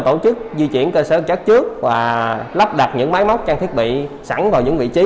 tổ chức di chuyển cơ sở chất trước và lắp đặt những máy móc trang thiết bị sẵn vào những vị trí